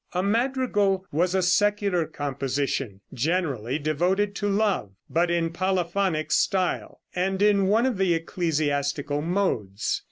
A madrigal was a secular composition, generally devoted to love, but in polyphonic style, and in one of the ecclesiastical modes.